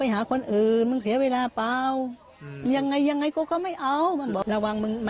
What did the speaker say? จุปั๊ปและมีความสุข